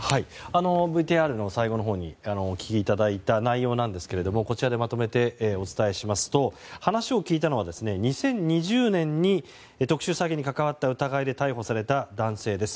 ＶＴＲの最後のほうにお聞きいただいた内容なんですがこちらでまとめてお伝えしますと話を聞いたのは２０２０年に特殊詐欺に関わった疑いで逮捕された男性です。